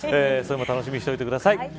それも楽しみにしていてください。